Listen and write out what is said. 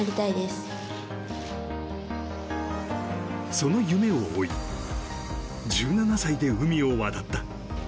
その夢を追い１７歳で海を渡った。